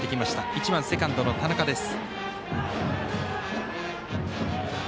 １番、セカンドの田中です。